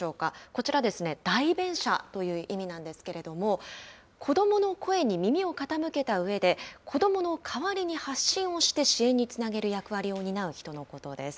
こちらですね、代弁者という意味なんですけれども、子どもの声に耳を傾けたうえで、こどもの代わりに発信をして支援につなげる役割を担う人のことです。